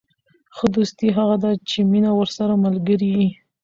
ښه دوستي هغه ده، چي مینه ورسره ملګرې يي.